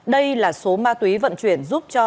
đây là số ma túy vận chuyển